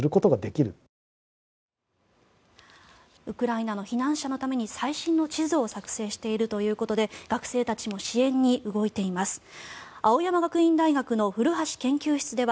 ウクライナの避難者のために最新の地図を作製しているということで学生たちも支援に動いています。